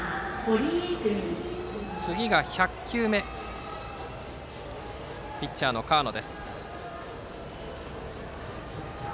次が１００球目のピッチャーの河野。